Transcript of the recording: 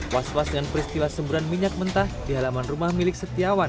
was was dengan peristiwa semburan minyak mentah di halaman rumah milik setiawan